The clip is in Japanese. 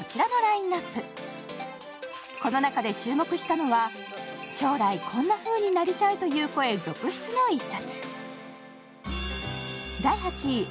この中で注目したのは将来こんなふうになりたいという声続出の一冊。